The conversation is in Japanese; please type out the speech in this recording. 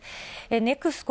ネクスコ